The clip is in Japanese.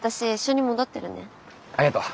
ありがとう。